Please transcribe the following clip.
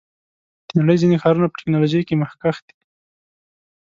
د نړۍ ځینې ښارونه په ټیکنالوژۍ کې مخکښ دي.